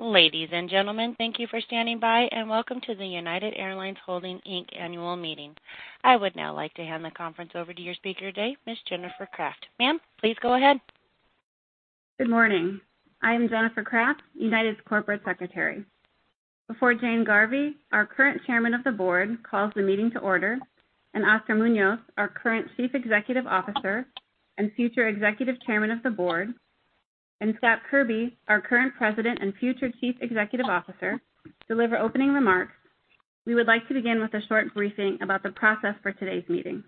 Ladies and gentlemen, thank you for standing by, and welcome to the United Airlines Holdings, Inc. Annual Meeting. I would now like to hand the conference over to your speaker today, Ms. Jennifer Kraft. Ma'am, please go ahead. Good morning. I am Jennifer Kraft, United's Corporate Secretary. Before Jane Garvey, our current Chairman of the Board, calls the meeting to order, and Oscar Munoz, our current Chief Executive Officer and future Executive Chairman of the Board, and Scott Kirby, our current President and future Chief Executive Officer, deliver opening remarks, we would like to begin with a short briefing about the process for today's meeting.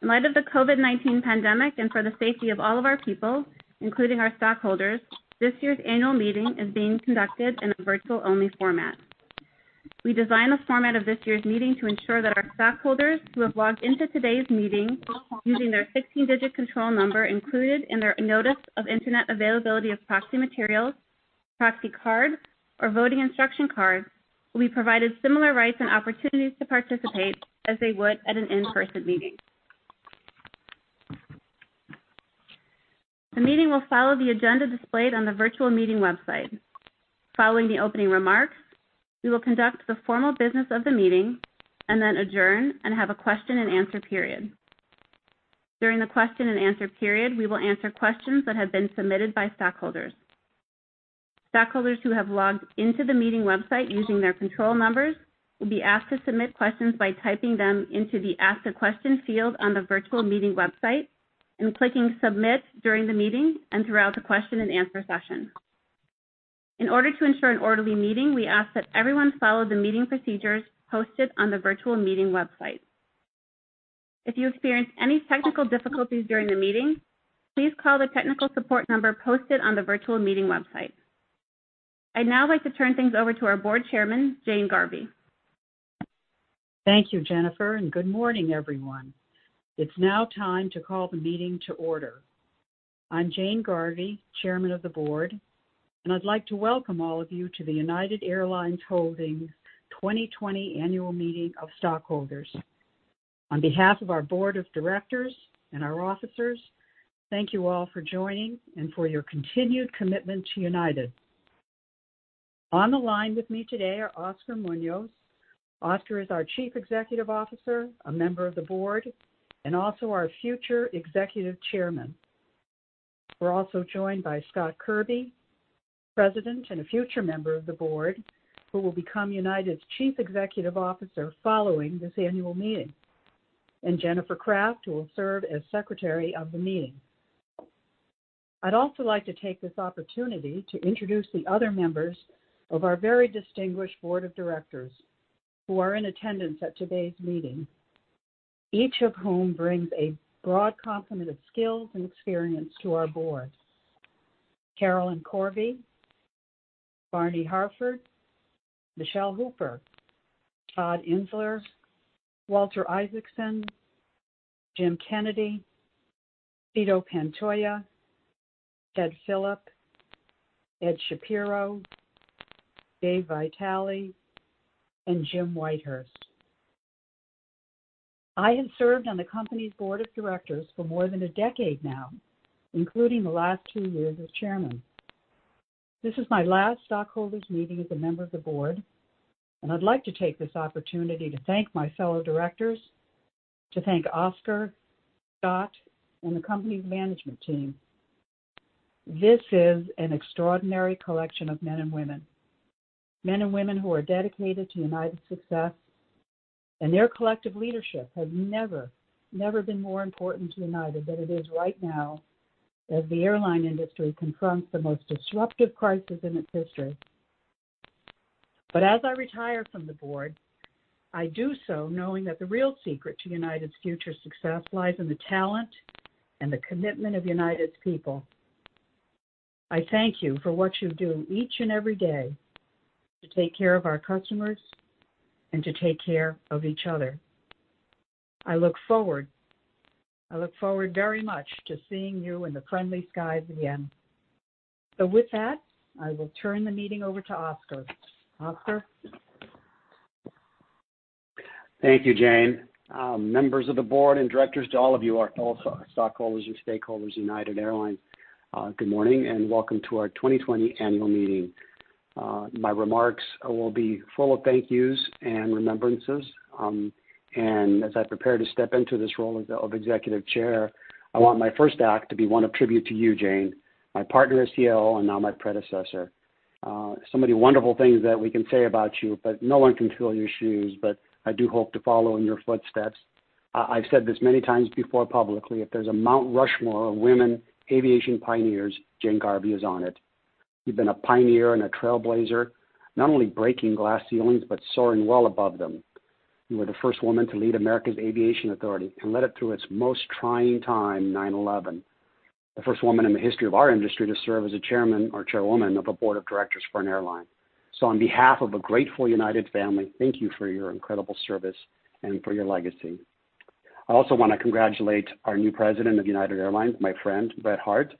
In light of the COVID-19 pandemic and for the safety of all of our people, including our stockholders, this year's annual meeting is being conducted in a virtual-only format. We designed the format of this year's meeting to ensure that our stockholders who have logged into today's meeting using their 16-digit control number included in their notice of internet availability of proxy materials, proxy card, or voting instruction card, will be provided similar rights and opportunities to participate as they would at an in-person meeting. The meeting will follow the agenda displayed on the virtual meeting website. Following the opening remarks, we will conduct the formal business of the meeting and then adjourn and have a question and answer period. During the question and answer period, we will answer questions that have been submitted by stockholders. Stockholders who have logged into the meeting website using their control numbers will be asked to submit questions by typing them into the Ask a Question field on the virtual meeting website and clicking Submit during the meeting and throughout the question and answer session. In order to ensure an orderly meeting, we ask that everyone follow the meeting procedures posted on the virtual meeting website. If you experience any technical difficulties during the meeting, please call the technical support number posted on the virtual meeting website. I'd now like to turn things over to our Board Chairman, Jane Garvey. Thank you, Jennifer, and good morning, everyone. It's now time to call the meeting to order. I'm Jane Garvey, Chairman of the Board, and I'd like to welcome all of you to the United Airlines Holdings 2020 Annual Meeting of Stockholders. On behalf of our board of directors and our officers, thank you all for joining and for your continued commitment to United. On the line with me today are Oscar Munoz. Oscar is our Chief Executive Officer, a member of the board, and also our future Executive Chairman. We're also joined by Scott Kirby, President and a future member of the board, who will become United's Chief Executive Officer following this Annual Meeting, and Jennifer Kraft, who will serve as Secretary of the Meeting. I'd also like to take this opportunity to introduce the other members of our very distinguished board of directors who are in attendance at today's meeting, each of whom brings a broad complement of skills and experience to our board. Carolyn Corvi, Barney Harford, Michele Hooper, Todd Insler, Walter Isaacson, Jim Kennedy, Sito Pantoja, Ted Philip, Ed Shapiro, Dave Vitale, and Jim Whitehurst. I have served on the company's board of directors for more than a decade now, including the last two years as chairman. This is my last stockholders meeting as a member of the board, and I'd like to take this opportunity to thank my fellow directors, to thank Oscar, Scott, and the company's management team. This is an extraordinary collection of men and women, men and women who are dedicated to United's success. Their collective leadership has never been more important to United than it is right now as the airline industry confronts the most disruptive crisis in its history. As I retire from the board, I do so knowing that the real secret to United's future success lies in the talent and the commitment of United's people. I thank you for what you do each and every day to take care of our customers and to take care of each other. I look forward very much to seeing you in the friendly skies again. With that, I will turn the meeting over to Oscar. Oscar? Thank you, Jane. Members of the board and directors, to all of you, our stockholders and stakeholders of United Airlines, good morning and welcome to our 2020 annual meeting. My remarks will be full of thank yous and remembrances, and as I prepare to step into this role of executive chair, I want my first act to be one of tribute to you, Jane, my partner as CEO and now my predecessor. Many wonderful things that we can say about you, but no one can fill your shoes, but I do hope to follow in your footsteps. I've said this many times before publicly, if there's a Mount Rushmore of women aviation pioneers, Jane Garvey is on it. You've been a pioneer and a trailblazer, not only breaking glass ceilings but soaring well above them. You were the first woman to lead America's Aviation Authority and led it through its most trying time, 9/11. The first woman in the history of our industry to serve as a chairman or chairwoman of a board of directors for an airline. On behalf of a grateful United family, thank you for your incredible service and for your legacy. I also want to congratulate our new President of United Airlines, my friend Brett Hart.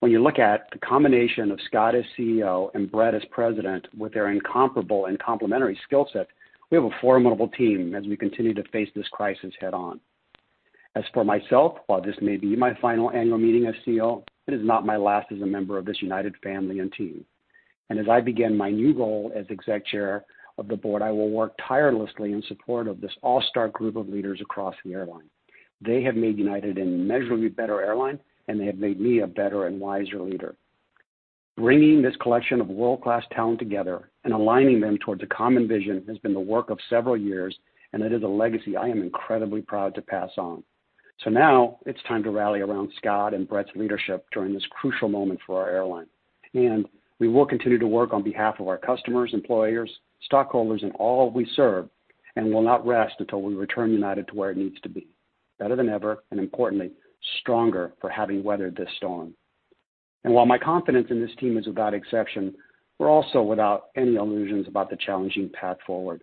When you look at the combination of Scott as CEO and Brett as President with their incomparable and complementary skill set, we have a formidable team as we continue to face this crisis head-on. As for myself, while this may be my final annual meeting as CEO, it is not my last as a member of this United family and team. As I begin my new role as exec chair of the Board, I will work tirelessly in support of this all-star group of leaders across the airline. They have made United an immeasurably better airline, and they have made me a better and wiser leader. Bringing this collection of world-class talent together and aligning them towards a common vision has been the work of several years, and it is a legacy I am incredibly proud to pass on. Now it's time to rally around Scott and Brett's leadership during this crucial moment for our airline. We will continue to work on behalf of our customers, employers, stockholders, and all we serve, and will not rest until we return United to where it needs to be, better than ever, and importantly, stronger for having weathered this storm. While my confidence in this team is without exception, we're also without any illusions about the challenging path forward.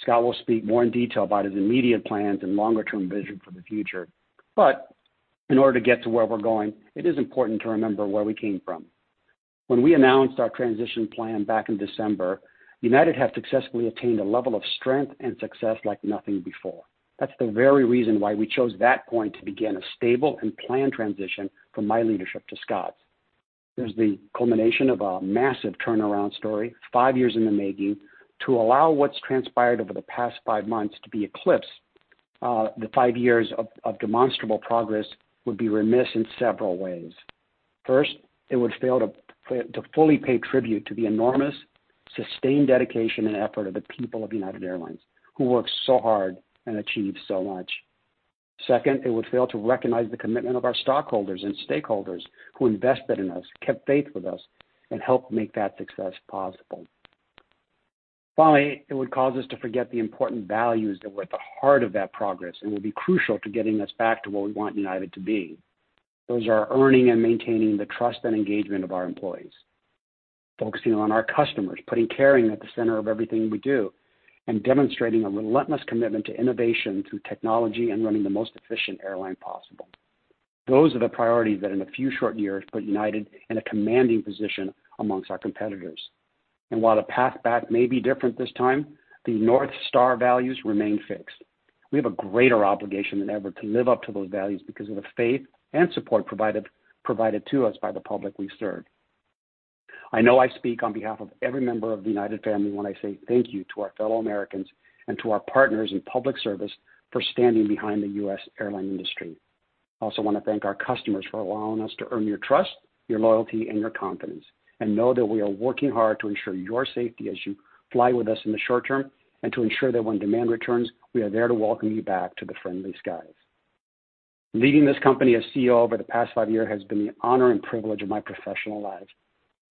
Scott will speak more in detail about his immediate plans and longer-term vision for the future. In order to get to where we're going, it is important to remember where we came from. When we announced our transition plan back in December, United had successfully attained a level of strength and success like nothing before. That's the very reason why we chose that point to begin a stable and planned transition from my leadership to Scott's. It is the culmination of a massive turnaround story five years in the making. To allow what's transpired over the past five months to be eclipsed, the five years of demonstrable progress would be remiss in several ways. First, it would fail to fully pay tribute to the enormous sustained dedication and effort of the people of United Airlines, who worked so hard and achieved so much. Second, it would fail to recognize the commitment of our stockholders and stakeholders who invested in us, kept faith with us, and helped make that success possible. Finally, it would cause us to forget the important values that were at the heart of that progress and will be crucial to getting us back to where we want United to be. Those are earning and maintaining the trust and engagement of our employees, focusing on our customers, putting caring at the center of everything we do, and demonstrating a relentless commitment to innovation through technology and running the most efficient airline possible. Those are the priorities that in a few short years put United in a commanding position amongst our competitors. While the path back may be different this time, the North Star values remain fixed. We have a greater obligation than ever to live up to those values because of the faith and support provided to us by the public we serve. I know I speak on behalf of every member of the United family when I say thank you to our fellow Americans and to our partners in public service for standing behind the U.S. airline industry. I also want to thank our customers for allowing us to earn your trust, your loyalty, and your confidence, and know that we are working hard to ensure your safety as you fly with us in the short term, and to ensure that when demand returns, we are there to welcome you back to the friendly skies. Leading this company as CEO over the past five years has been the honor and privilege of my professional life.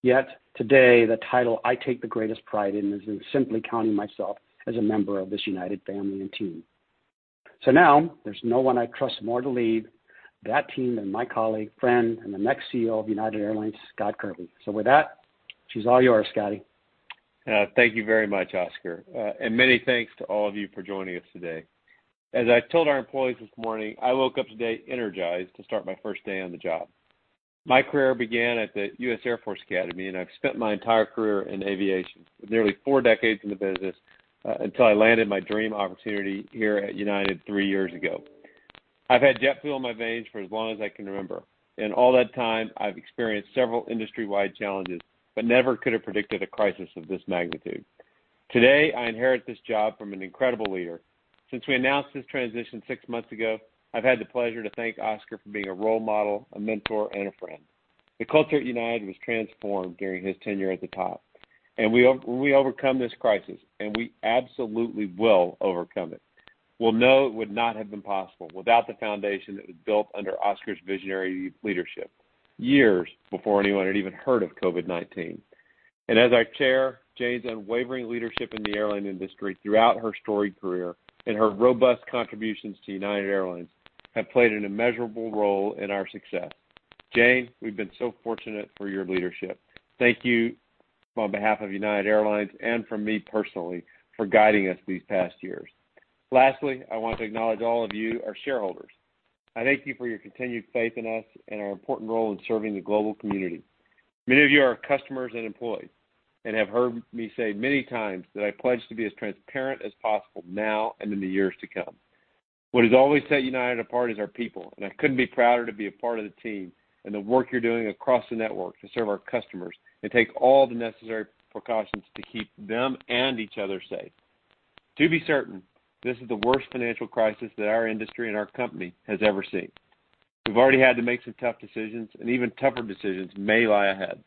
Yet today, the title I take the greatest pride in is in simply counting myself as a member of this United family and team. Now there's no one I trust more to lead that team than my colleague, friend, and the next CEO of United Airlines, Scott Kirby. With that, she's all yours, Scotty. Thank you very much, Oscar. Many thanks to all of you for joining us today. As I told our employees this morning, I woke up today energized to start my first day on the job. My career began at the U.S. Air Force Academy, and I've spent my entire career in aviation, nearly four decades in the business, until I landed my dream opportunity here at United three years ago. I've had jet fuel in my veins for as long as I can remember, and in all that time, I've experienced several industry-wide challenges, but never could have predicted a crisis of this magnitude. Today, I inherit this job from an incredible leader. Since we announced this transition six months ago, I've had the pleasure to thank Oscar for being a role model, a mentor, and a friend. The culture at United was transformed during his tenure at the top. When we overcome this crisis, and we absolutely will overcome it, we'll know it would not have been possible without the foundation that was built under Oscar's visionary leadership years before anyone had even heard of COVID-19. As our chair, Jane's unwavering leadership in the airline industry throughout her storied career and her robust contributions to United Airlines have played an immeasurable role in our success. Jane, we've been so fortunate for your leadership. Thank you on behalf of United Airlines and from me personally for guiding us these past years. Lastly, I want to acknowledge all of you, our shareholders. I thank you for your continued faith in us and our important role in serving the global community. Many of you are our customers and employees and have heard me say many times that I pledge to be as transparent as possible now and in the years to come. What has always set United apart is our people, and I couldn't be prouder to be a part of the team and the work you're doing across the network to serve our customers and take all the necessary precautions to keep them and each other safe. To be certain, this is the worst financial crisis that our industry and our company has ever seen. We've already had to make some tough decisions, and even tougher decisions may lie ahead.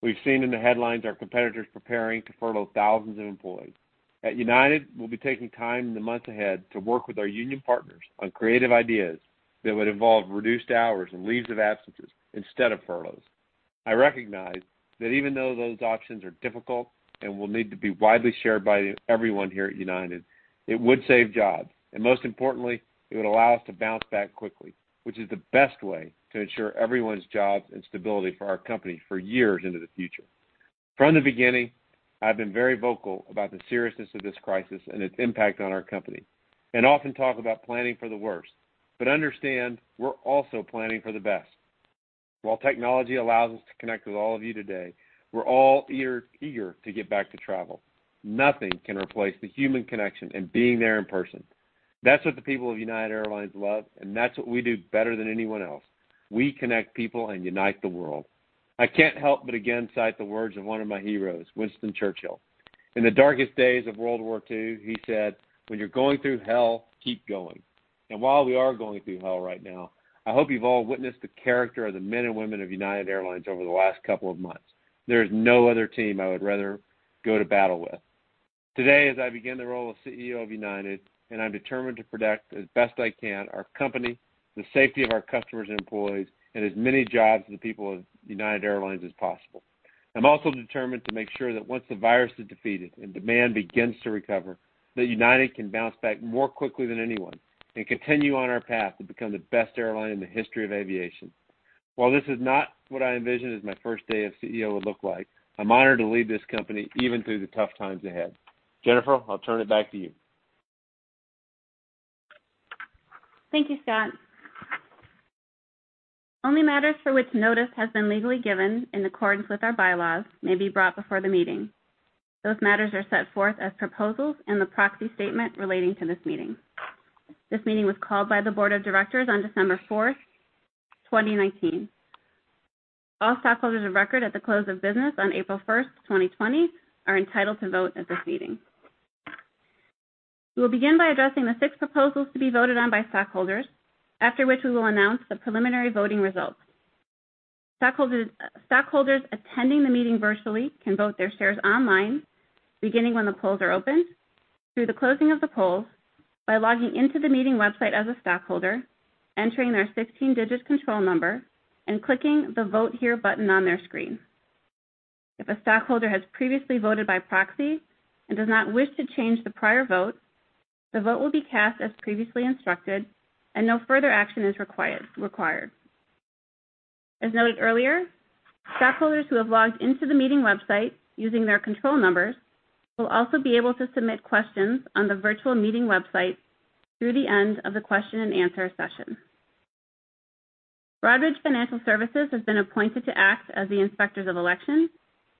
We've seen in the headlines our competitors preparing to furlough thousands of employees. At United, we'll be taking time in the months ahead to work with our union partners on creative ideas that would involve reduced hours and leaves of absences instead of furloughs. I recognize that even though those options are difficult and will need to be widely shared by everyone here at United, it would save jobs, and most importantly, it would allow us to bounce back quickly, which is the best way to ensure everyone's jobs and stability for our company for years into the future. From the beginning, I've been very vocal about the seriousness of this crisis and its impact on our company, and often talk about planning for the worst. Understand, we're also planning for the best. While technology allows us to connect with all of you today, we're all eager to get back to travel. Nothing can replace the human connection and being there in person. That's what the people of United Airlines love, and that's what we do better than anyone else. We connect people and unite the world. I can't help but again, cite the words of one of my heroes, Winston Churchill. In the darkest days of World War II, he said, "When you're going through hell, keep going." While we are going through hell right now, I hope you've all witnessed the character of the men and women of United Airlines over the last couple of months. There is no other team I would rather go to battle with. Today, as I begin the role of CEO of United, I'm determined to protect, as best I can, our company, the safety of our customers and employees, and as many jobs of the people of United Airlines as possible. I'm also determined to make sure that once the virus is defeated and demand begins to recover, that United can bounce back more quickly than anyone and continue on our path to become the best airline in the history of aviation. While this is not what I envisioned as my first day of CEO would look like, I'm honored to lead this company even through the tough times ahead. Jennifer, I'll turn it back to you. Thank you, Scott. Only matters for which notice has been legally given in accordance with our bylaws may be brought before the meeting. Those matters are set forth as proposals in the proxy statement relating to this meeting. This meeting was called by the board of directors on December 4th, 2019. All stockholders of record at the close of business on April 1st, 2020, are entitled to vote at this meeting. We will begin by addressing the six proposals to be voted on by stockholders, after which we will announce the preliminary voting results. Stockholders attending the meeting virtually can vote their shares online, beginning when the polls are open through the closing of the polls by logging in to the meeting website as a stockholder, entering their 16-digit control number, and clicking the Vote Here button on their screen. If a stockholder has previously voted by proxy and does not wish to change the prior vote, the vote will be cast as previously instructed and no further action is required. As noted earlier, stockholders who have logged in to the meeting website using their control numbers will also be able to submit questions on the virtual meeting website through the end of the question and answer session. Broadridge Financial Solutions has been appointed to act as the inspectors of election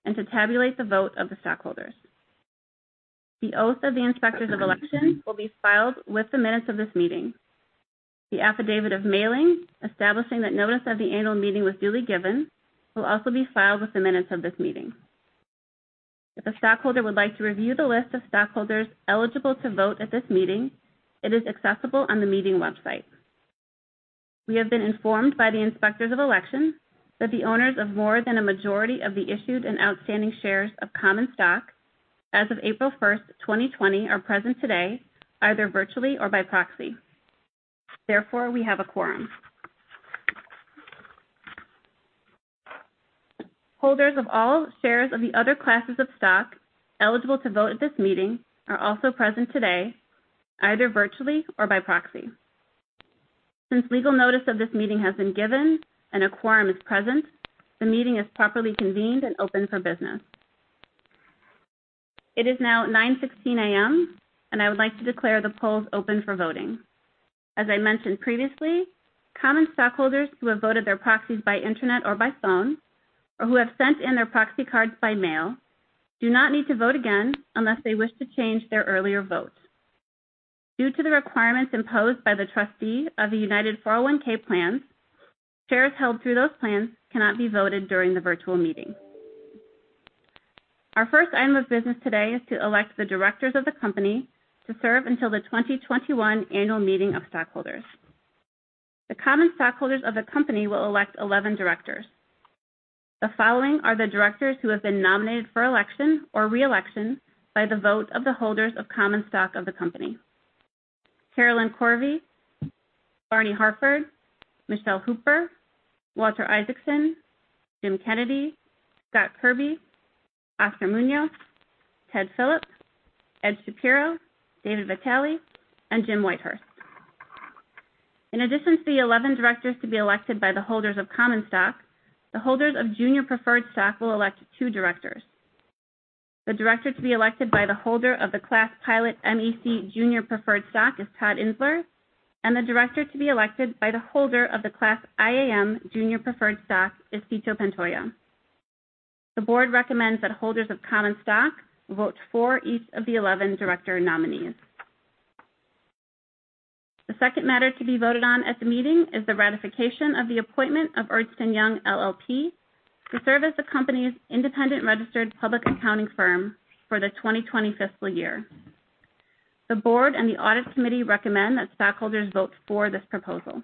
and to tabulate the vote of the stockholders. The oath of the inspectors of election will be filed with the minutes of this meeting. The affidavit of mailing, establishing that notice of the annual meeting was duly given, will also be filed with the minutes of this meeting. If a stockholder would like to review the list of stockholders eligible to vote at this meeting, it is accessible on the meeting website. We have been informed by the inspectors of election that the owners of more than a majority of the issued and outstanding shares of common stock as of April 1st, 2020, are present today, either virtually or by proxy. Therefore, we have a quorum. Holders of all shares of the other classes of stock eligible to vote at this meeting are also present today, either virtually or by proxy. Since legal notice of this meeting has been given and a quorum is present, the meeting is properly convened and open for business. It is now 9:16 A.M., and I would like to declare the polls open for voting. As I mentioned previously, common stockholders who have voted their proxies by internet or by phone or who have sent in their proxy cards by mail do not need to vote again unless they wish to change their earlier vote. Due to the requirements imposed by the trustee of the United 401 plans, shares held through those plans cannot be voted during the virtual meeting. Our first item of business today is to elect the directors of the company to serve until the 2021 annual meeting of stockholders. The common stockholders of the company will elect 11 directors. The following are the directors who have been nominated for election or re-election by the vote of the holders of common stock of the company: Carolyn Corvi, Barney Harford, Michele Hooper, Walter Isaacson, Jim Kennedy, Scott Kirby, Oscar Munoz, Ted Philip, Ed Shapiro, David Vitale, and Jim Whitehurst. In addition to the 11 directors to be elected by the holders of common stock, the holders of junior preferred stock will elect two directors. The director to be elected by the holder of the Class Pilot MEC Junior Preferred Stock is Todd Insler, and the director to be elected by the holder of the Class IAM Junior Preferred Stock is Sito Pantoja. The board recommends that holders of common stock vote for each of the 11 director nominees. The second matter to be voted on at the meeting is the ratification of the appointment of Ernst & Young LLP to serve as the company's independent registered public accounting firm for the 2020 fiscal year. The board and the Audit Committee recommend that stockholders vote for this proposal.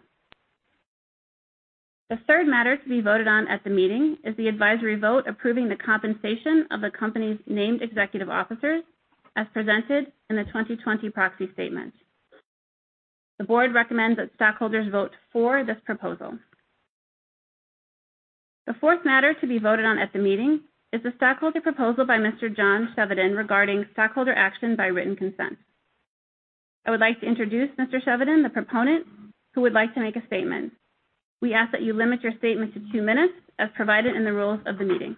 The third matter to be voted on at the meeting is the advisory vote approving the compensation of the company's named executive officers as presented in the 2020 proxy statement. The board recommends that stockholders vote for this proposal. The fourth matter to be voted on at the meeting is the stockholder proposal by Mr. John Chevedden regarding stockholder action by written consent. I would like to introduce Mr. Chevedden, the proponent, who would like to make a statement. We ask that you limit your statement to two minutes as provided in the rules of the meeting.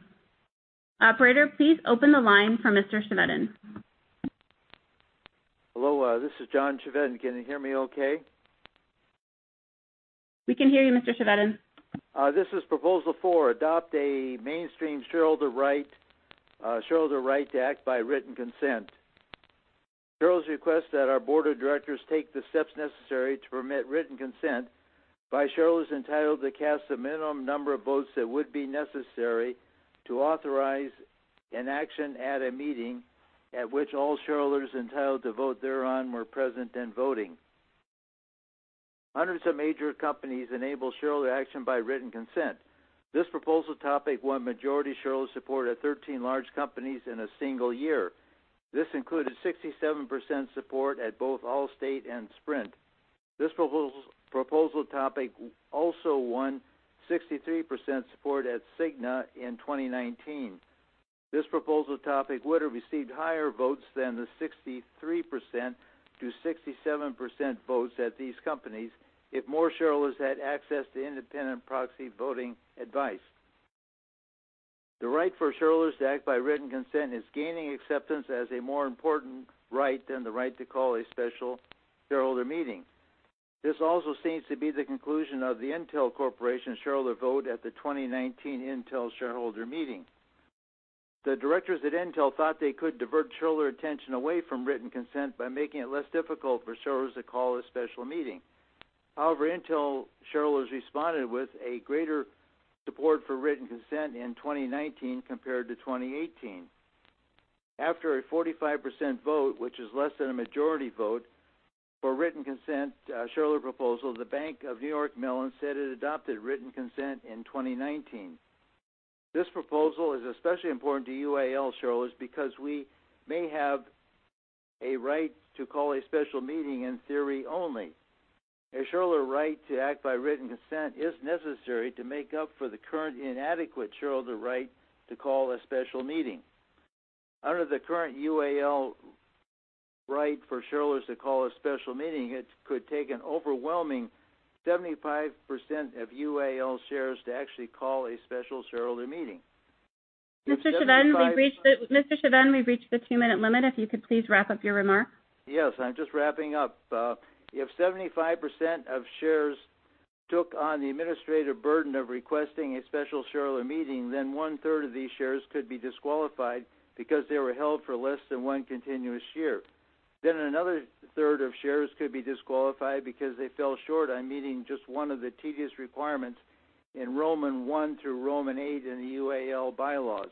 Operator, please open the line for Mr. Chevedden Hello, this is John Chevedden. Can you hear me okay? We can hear you, Mr. Chevedden. This is Proposal 4: adopt a mainstream shareholder right to act by written consent. Shareholders request that our board of directors take the steps necessary to permit written consent by shareholders entitled to cast the minimum number of votes that would be necessary to authorize an action at a meeting at which all shareholders entitled to vote thereon were present and voting. Hundreds of major companies enable shareholder action by written consent. This proposal topic won majority shareholder support at 13 large companies in a single year. This included 67% support at both Allstate and Sprint. This proposal topic also won 63% support at Cigna in 2019. This proposal topic would have received higher votes than the 63%-67% votes at these companies if more shareholders had access to independent proxy voting advice. The right for shareholders to act by written consent is gaining acceptance as a more important right than the right to call a special shareholder meeting. This also seems to be the conclusion of the Intel Corporation shareholder vote at the 2019 Intel shareholder meeting. The directors at Intel thought they could divert shareholder attention away from written consent by making it less difficult for shareholders to call a special meeting. Intel shareholders responded with a greater support for written consent in 2019 compared to 2018. After a 45% vote, which is less than a majority vote for a written consent shareholder proposal, the Bank of New York Mellon said it adopted written consent in 2019. This proposal is especially important to UAL shareholders because we may have a right to call a special meeting in theory only. A shareholder right to act by written consent is necessary to make up for the current inadequate shareholder right to call a special meeting. Under the current UAL right for shareholders to call a special meeting, it could take an overwhelming 75% of UAL shares to actually call a special shareholder meeting. If 75- Mr. Chevedden, we've reached the two-minute limit. If you could please wrap up your remarks. Yes, I'm just wrapping up. If 75% of shares took on the administrative burden of requesting a special shareholder meeting, then one-third of these shares could be disqualified because they were held for less than one continuous year. Another third of shares could be disqualified because they fell short on meeting just one of the tedious requirements in Roman one through Roman eight in the UAL bylaws.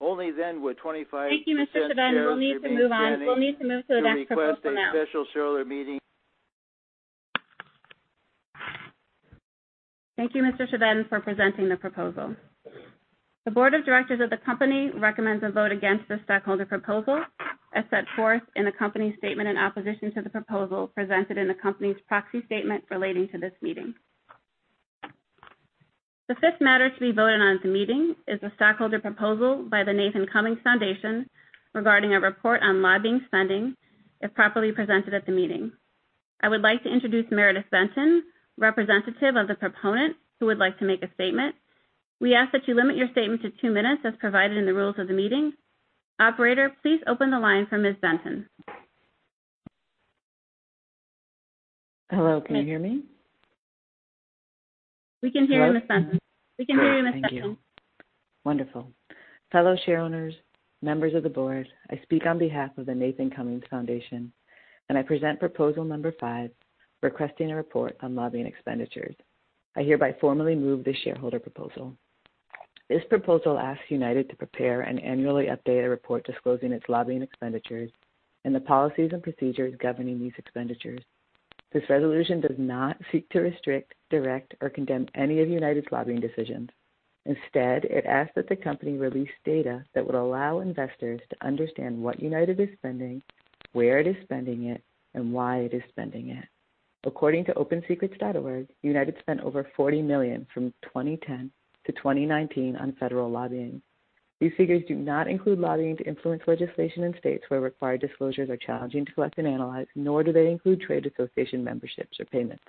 Only then would 25% shares- Thank you, Mr. Chevedden. We'll need to move on. We'll need to move to the next proposal now. be standing to request a special shareholder meeting. Thank you, Mr. Chevedden, for presenting the proposal. The board of directors of the company recommends a vote against the stockholder proposal, as set forth in the company's statement in opposition to the proposal presented in the company's proxy statement relating to this meeting. The fifth matter to be voted on at the meeting is the stockholder proposal by the Nathan Cummings Foundation regarding a report on lobbying spending, if properly presented at the meeting. I would like to introduce Meredith Benton, representative of the proponent, who would like to make a statement. We ask that you limit your statement to two minutes, as provided in the rules of the meeting. Operator, please open the line for Ms. Benton. Hello, can you hear me? We can hear you, Ms. Benton. Thank you. Wonderful. Fellow shareholders, members of the board, I speak on behalf of the Nathan Cummings Foundation. I present proposal number five, requesting a report on lobbying expenditures. I hereby formally move the shareholder proposal. This proposal asks United to prepare an annually updated report disclosing its lobbying expenditures and the policies and procedures governing these expenditures. This resolution does not seek to restrict, direct, or condemn any of United's lobbying decisions. Instead, it asks that the company release data that would allow investors to understand what United is spending, where it is spending it, and why it is spending it. According to OpenSecrets, United spent over $40 million from 2010 to 2019 on federal lobbying. These figures do not include lobbying to influence legislation in states where required disclosures are challenging to collect and analyze, nor do they include trade association memberships or payments.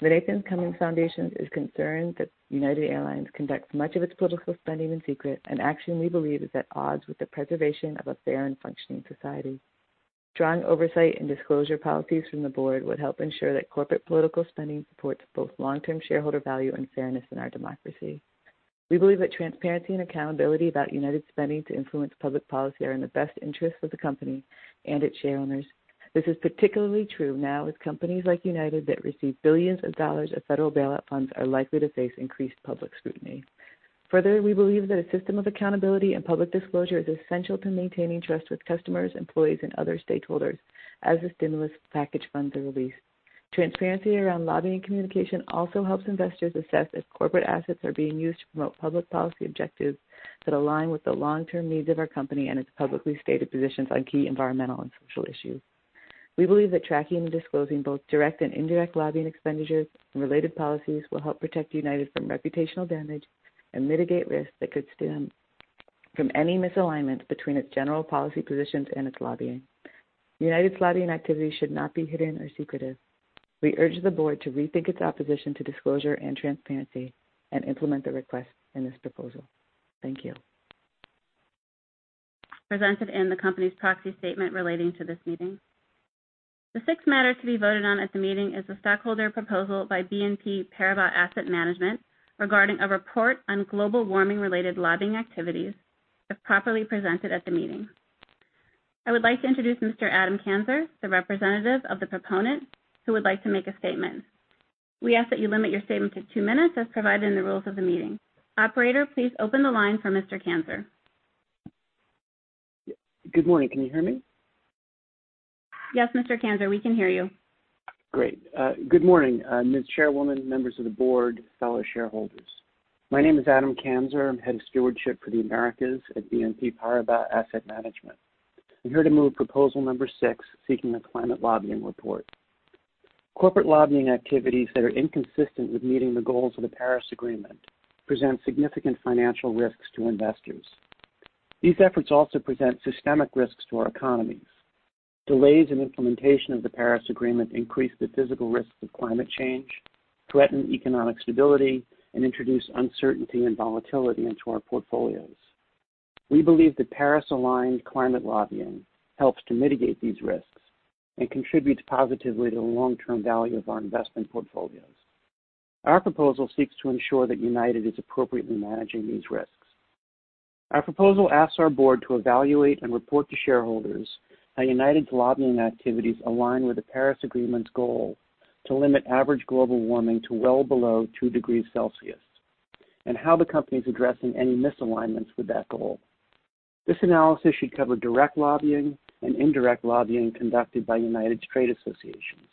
The Nathan Cummings Foundation is concerned that United Airlines conducts much of its political spending in secret, an action we believe is at odds with the preservation of a fair and functioning society. Strong oversight and disclosure policies from the board would help ensure that corporate political spending supports both long-term shareholder value and fairness in our democracy. We believe that transparency and accountability about United's spending to influence public policy are in the best interest of the company and its shareholders. This is particularly true now with companies like United that receive billions of dollars of federal bailout funds are likely to face increased public scrutiny. Further, we believe that a system of accountability and public disclosure is essential to maintaining trust with customers, employees, and other stakeholders as the stimulus package funds are released. Transparency around lobbying communication also helps investors assess if corporate assets are being used to promote public policy objectives that align with the long-term needs of our company and its publicly stated positions on key environmental and social issues. We believe that tracking and disclosing both direct and indirect lobbying expenditures and related policies will help protect United from reputational damage and mitigate risks that could stem from any misalignment between its general policy positions and its lobbying. United's lobbying activity should not be hidden or secretive. We urge the board to rethink its opposition to disclosure and transparency and implement the request in this proposal. Thank you. Presented in the company's proxy statement relating to this meeting. The sixth matter to be voted on at the meeting is a stockholder proposal by BNP Paribas Asset Management regarding a report on global warming-related lobbying activities, if properly presented at the meeting. I would like to introduce Mr. Adam Kanzer, the representative of the proponent who would like to make a statement. We ask that you limit your statement to two minutes as provided in the rules of the meeting. Operator, please open the line for Mr. Kanzer. Good morning. Can you hear me? Yes, Mr. Kanzer, we can hear you. Great. Good morning, Ms. Chairwoman, members of the board, fellow shareholders. My name is Adam Kanzer, I'm head of stewardship for the Americas at BNP Paribas Asset Management. I'm here to move proposal number six, seeking a climate lobbying report. Corporate lobbying activities that are inconsistent with meeting the goals of the Paris Agreement present significant financial risks to investors. These efforts also present systemic risks to our economies. Delays in implementation of the Paris Agreement increase the physical risks of climate change, threaten economic stability, and introduce uncertainty and volatility into our portfolios. We believe that Paris-aligned climate lobbying helps to mitigate these risks and contributes positively to the long-term value of our investment portfolios. Our proposal seeks to ensure that United is appropriately managing these risks. Our proposal asks our board to evaluate and report to shareholders how United's lobbying activities align with the Paris Agreement's goal to limit average global warming to well below two degrees Celsius, and how the company's addressing any misalignments with that goal. This analysis should cover direct lobbying and indirect lobbying conducted by United's trade associations.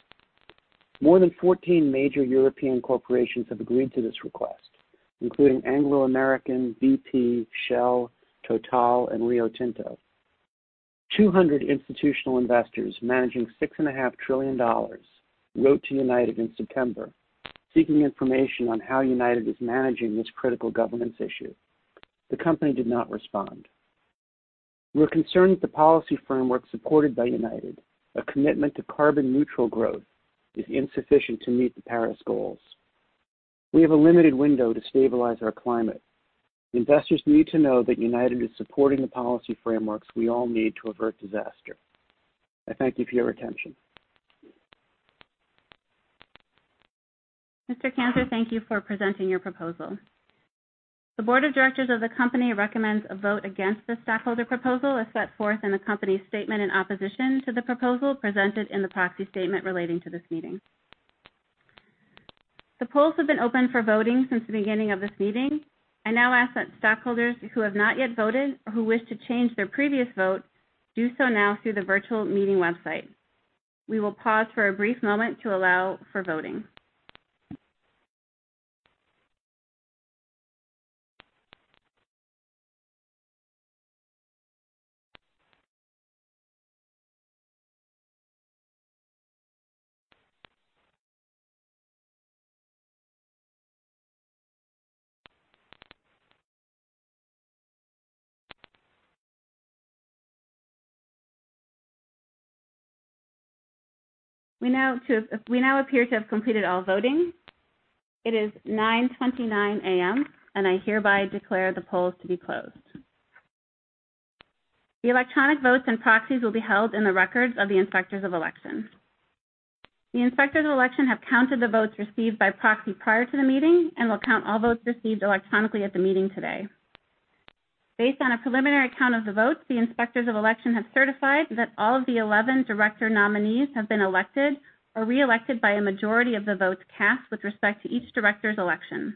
More than 14 major European corporations have agreed to this request, including Anglo American, BP, Shell, Total, and Rio Tinto. 200 institutional investors managing $6.5 trillion wrote to United in September, seeking information on how United is managing this critical governance issue. The company did not respond. We're concerned that the policy framework supported by United, a commitment to carbon-neutral growth, is insufficient to meet the Paris goals. We have a limited window to stabilize our climate. Investors need to know that United is supporting the policy frameworks we all need to avert disaster. I thank you for your attention. Mr. Kanzer, thank you for presenting your proposal. The board of directors of the company recommends a vote against the stockholder proposal as set forth in the company's statement in opposition to the proposal presented in the proxy statement relating to this meeting. The polls have been open for voting since the beginning of this meeting. I now ask that stockholders who have not yet voted or who wish to change their previous vote do so now through the virtual meeting website. We will pause for a brief moment to allow for voting. We now appear to have completed all voting. It is 9:29 A.M., and I hereby declare the polls to be closed. The electronic votes and proxies will be held in the records of the Inspectors of Election. The Inspectors of Election have counted the votes received by proxy prior to the meeting and will count all votes received electronically at the meeting today. Based on a preliminary count of the votes, the Inspectors of Election have certified that all of the 11 director nominees have been elected or reelected by a majority of the votes cast with respect to each director's election.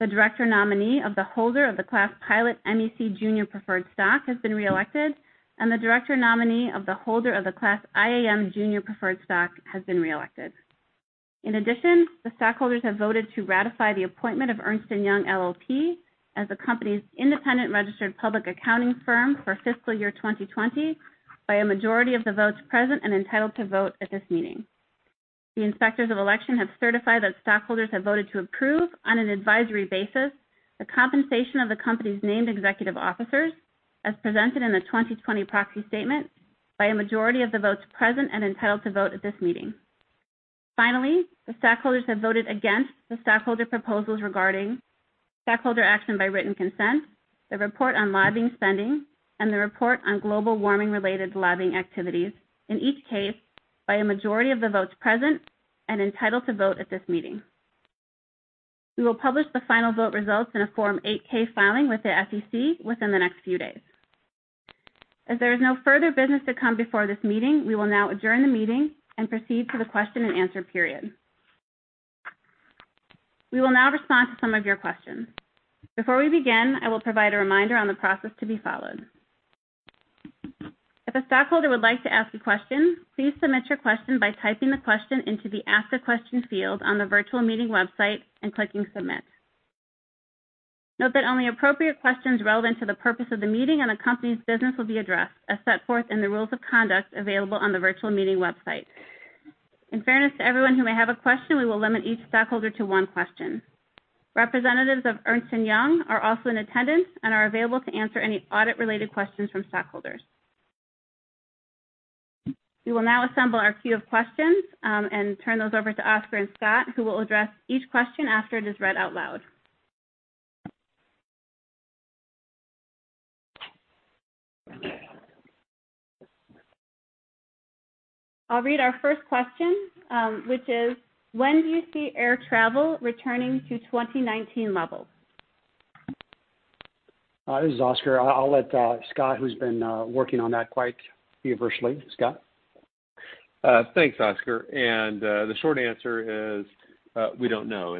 The director nominee of the holder of the Class Pilot MEC Junior Preferred Stock has been reelected, and the director nominee of the holder of the Class IAM Junior Preferred Stock has been reelected. In addition, the stockholders have voted to ratify the appointment of Ernst & Young LLP as the company's independent registered public accounting firm for fiscal year 2020 by a majority of the votes present and entitled to vote at this meeting. The Inspectors of Election have certified that stockholders have voted to approve, on an advisory basis, the compensation of the company's named executive officers as presented in the 2020 proxy statement by a majority of the votes present and entitled to vote at this meeting. Finally, the stockholders have voted against the stockholder proposals regarding stockholder action by written consent, the report on lobbying spending, and the report on global warming-related lobbying activities. In each case, by a majority of the votes present and entitled to vote at this meeting. We will publish the final vote results in a Form 8-K filing with the SEC within the next few days. As there is no further business to come before this meeting, we will now adjourn the meeting and proceed to the question and answer period. We will now respond to some of your questions. Before we begin, I will provide a reminder on the process to be followed. If a stockholder would like to ask a question, please submit your question by typing the question into the Ask a Question field on the virtual meeting website and clicking Submit. Note that only appropriate questions relevant to the purpose of the meeting and the company's business will be addressed as set forth in the rules of conduct available on the virtual meeting website. In fairness to everyone who may have a question, we will limit each stockholder to one question. Representatives of Ernst & Young are also in attendance and are available to answer any audit-related questions from stockholders. We will now assemble our queue of questions, and turn those over to Oscar and Scott, who will address each question after it is read out loud. I'll read our first question, which is: When do you see air travel returning to 2019 levels? This is Oscar. I'll let Scott, who's been working on that quite universally. Scott? Thanks, Oscar. The short answer is we don't know.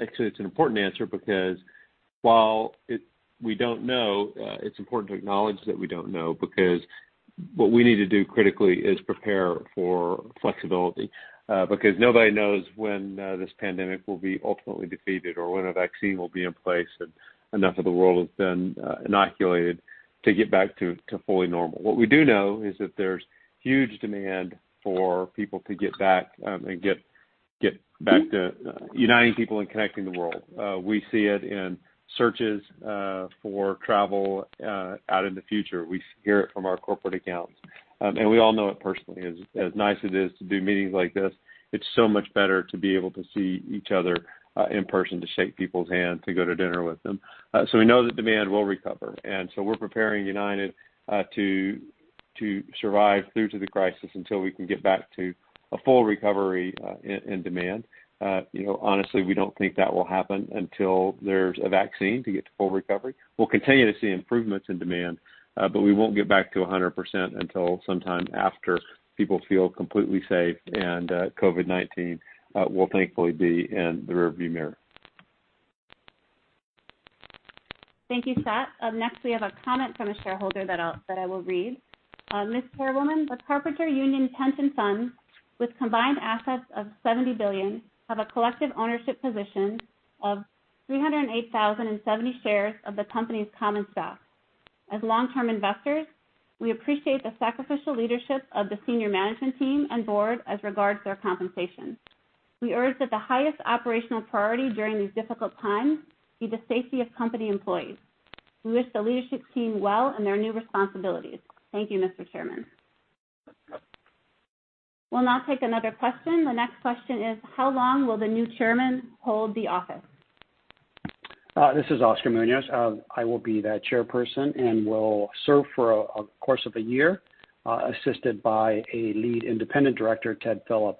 Actually, it's an important answer because while we don't know, it's important to acknowledge that we don't know because what we need to do critically is prepare for flexibility. Nobody knows when this pandemic will be ultimately defeated or when a vaccine will be in place and enough of the world has been inoculated to get back to fully normal. What we do know is that there's huge demand for people to get back and get back to uniting people and connecting the world. We see it in searches for travel out in the future. We hear it from our corporate accounts. We all know it personally. As nice as it is to do meetings like this, it's so much better to be able to see each other in person, to shake people's hands, to go to dinner with them. We know that demand will recover, we're preparing United to survive through to the crisis until we can get back to a full recovery in demand. Honestly, we don't think that will happen until there's a vaccine to get to full recovery. We'll continue to see improvements in demand, we won't get back to 100% until sometime after people feel completely safe and COVID-19 will thankfully be in the rearview mirror. Thank you, Scott. Up next we have a comment from a shareholder that I will read. "Ms. Chairwoman, the Carpenters Union Pension Fund, with combined assets of $70 billion, have a collective ownership position of 308,070 shares of the company's common stock. As long-term investors, we appreciate the sacrificial leadership of the senior management team and board as regards their compensation. We urge that the highest operational priority during these difficult times be the safety of company employees. We wish the leadership team well in their new responsibilities. Thank you, Mr. Chairman." We'll now take another question. The next question is: How long will the new chairman hold the office? This is Oscar Munoz. I will be that chairperson and will serve for a course of one year, assisted by a lead independent director, Ted Philip.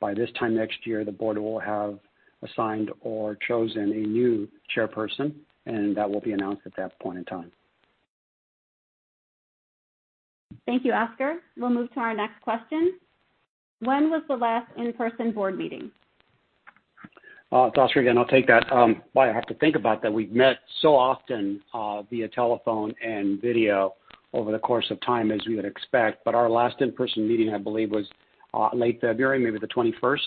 By this time next year, the board will have assigned or chosen a new chairperson, and that will be announced at that point in time. Thank you, Oscar. We'll move to our next question. When was the last in-person board meeting? It's Oscar again. I'll take that. Boy, I have to think about that. We've met so often via telephone and video over the course of time, as we would expect. Our last in-person meeting, I believe, was late February, maybe the 21st.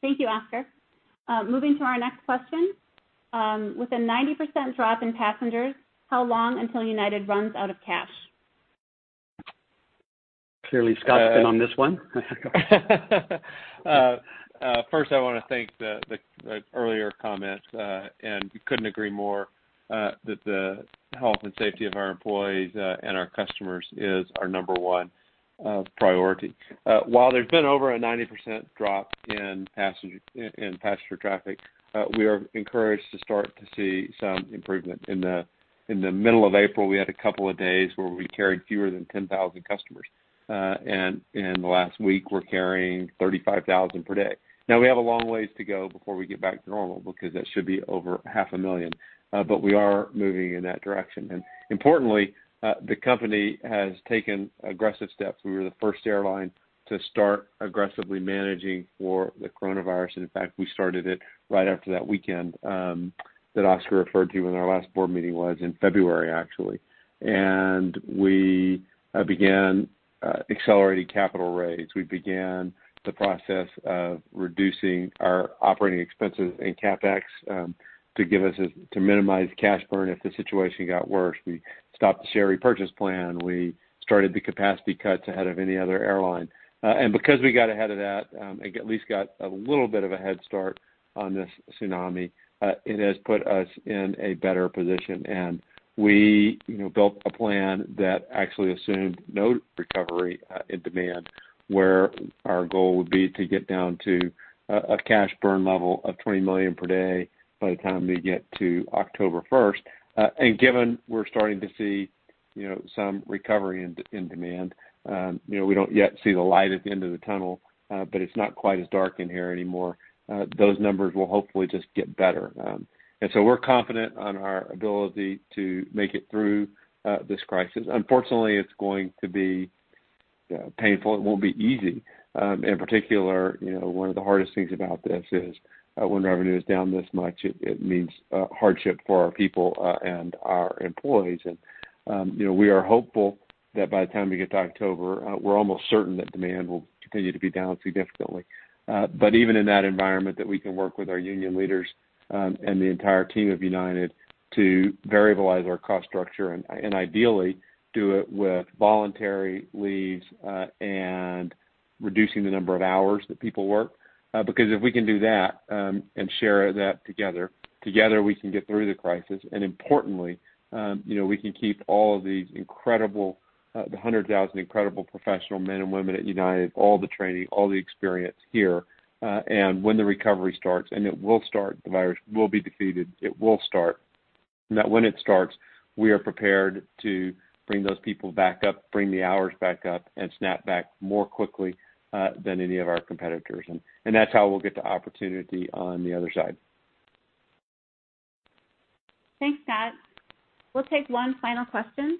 Thank you, Oscar. Moving to our next question. With a 90% drop in passengers, how long until United runs out of cash? Clearly, Scott's been on this one. First I want to thank the earlier comments. We couldn't agree more that the health and safety of our employees and our customers is our number 1 priority. While there's been over a 90% drop in passenger traffic, we are encouraged to start to see some improvement. In the middle of April, we had a couple of days where we carried fewer than 10,000 customers. In the last week, we're carrying 35,000 per day. Now, we have a long ways to go before we get back to normal because that should be over half a million. We are moving in that direction. Importantly, the company has taken aggressive steps. We were the first airline to start aggressively managing for the coronavirus, and in fact, we started it right after that weekend that Oscar referred to when our last board meeting was in February, actually. We began accelerating capital raise. We began the process of reducing our operating expenses and CapEx to minimize cash burn if the situation got worse. We stopped the share repurchase plan. We started the capacity cuts ahead of any other airline. Because we got ahead of that, at least got a little bit of a head start on this tsunami, it has put us in a better position. We built a plan that actually assumed no recovery in demand, where our goal would be to get down to a cash burn level of $20 million per day by the time we get to October 1st. Given we're starting to see some recovery in demand, we don't yet see the light at the end of the tunnel, but it's not quite as dark in here anymore. Those numbers will hopefully just get better. We're confident on our ability to make it through this crisis. Unfortunately, it's going to be painful. It won't be easy. In particular, one of the hardest things about this is when revenue is down this much, it means hardship for our people and our employees. We are hopeful that by the time we get to October, we're almost certain that demand will continue to be down significantly. But even in that environment, that we can work with our union leaders, and the entire team of United Airlines to variabilize our cost structure, and ideally do it with voluntary leaves, and reducing the number of hours that people work. If we can do that, and share that together we can get through the crisis, and importantly, we can keep all of these incredible, the 100,000 incredible professional men and women at United, all the training, all the experience here. When the recovery starts, and it will start, the virus will be defeated, it will start. That when it starts, we are prepared to bring those people back up, bring the hours back up, and snap back more quickly, than any of our competitors. That's how we'll get the opportunity on the other side. Thanks, Scott. We'll take one final question.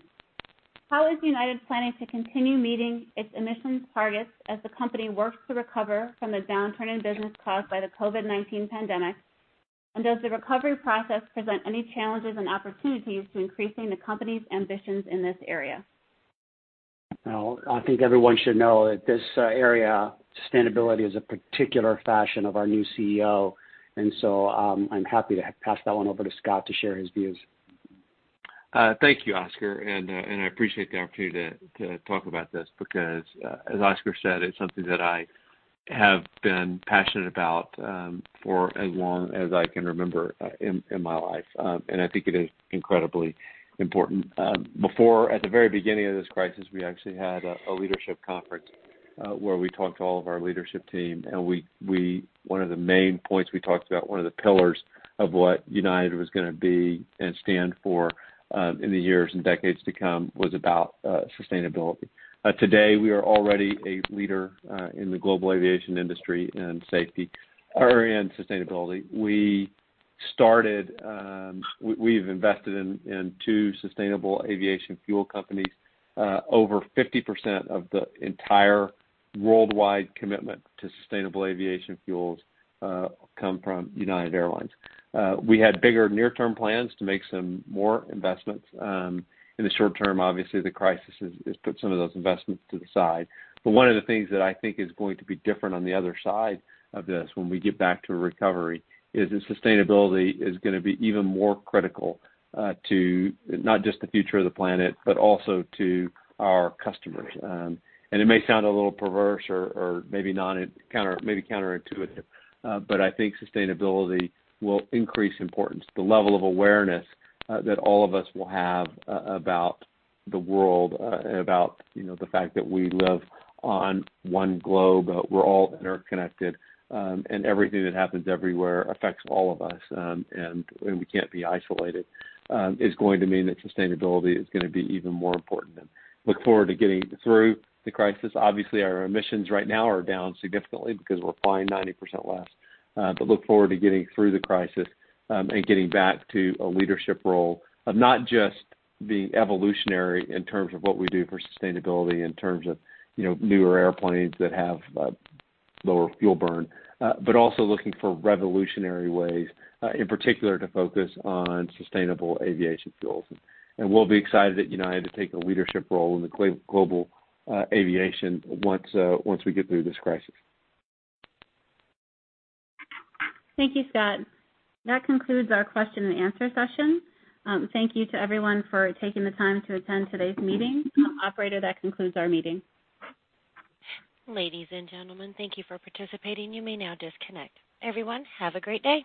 How is United planning to continue meeting its emissions targets as the company works to recover from the downturn in business caused by the COVID-19 pandemic? Does the recovery process present any challenges and opportunities to increasing the company's ambitions in this area? Well, I think everyone should know that this area, sustainability, is a particular passion of our new CEO. I'm happy to pass that one over to Scott to share his views. I appreciate the opportunity to talk about this because, as Oscar said, it's something that I have been passionate about, for as long as I can remember in my life. I think it is incredibly important. Before, at the very beginning of this crisis, we actually had a leadership conference, where we talked to all of our leadership team. One of the main points we talked about, one of the pillars of what United was gonna be and stand for in the years and decades to come, was about sustainability. Today, we are already a leader in the global aviation industry in safety or in sustainability. We've invested in two sustainable aviation fuel companies. Over 50% of the entire worldwide commitment to sustainable aviation fuels come from United Airlines. We had bigger near-term plans to make some more investments. In the short term, obviously, the crisis has put some of those investments to the side. One of the things that I think is going to be different on the other side of this, when we get back to a recovery, is that sustainability is gonna be even more critical to not just the future of the planet, but also to our customers. It may sound a little perverse or maybe counterintuitive, but I think sustainability will increase importance. The level of awareness that all of us will have about the world, about the fact that we live on one globe, we're all interconnected, and everything that happens everywhere affects all of us, and we can't be isolated, is going to mean that sustainability is gonna be even more important. Look forward to getting through the crisis. Obviously, our emissions right now are down significantly because we're flying 90% less. Look forward to getting through the crisis, and getting back to a leadership role of not just being evolutionary in terms of what we do for sustainability in terms of newer airplanes that have lower fuel burn. Also looking for revolutionary ways, in particular, to focus on sustainable aviation fuels. We'll be excited at United to take a leadership role in the global aviation once we get through this crisis. Thank you, Scott. That concludes our question and answer session. Thank you to everyone for taking the time to attend today's meeting. Operator, that concludes our meeting. Ladies and gentlemen, thank you for participating. You may now disconnect. Everyone, have a great day.